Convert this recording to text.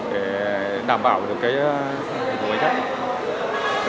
để đảm bảo được cái hình thức của bến khác